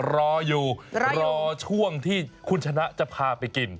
รออยู่รอช่วงที่คุณชนะจะพาไปกิน